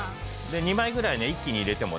２枚ぐらいね一気に入れてもね